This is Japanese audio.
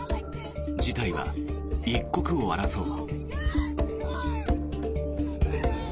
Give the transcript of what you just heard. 事態は一刻を争う。